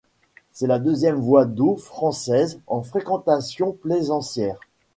C'est la deuxième voie d'eau française en fréquentation plaisancière.